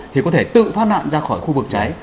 thì có thể tự thoát nạn ra khỏi khu vực cháy